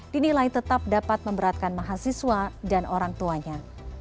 dinilai tetap dapat memberatkan mahasiswa dan orang tuanya